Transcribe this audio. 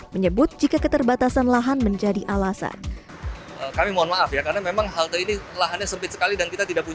menyebut jika keterbatasan lahan menjadi alasan